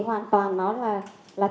không hiểu doanh nhân xã hội là ai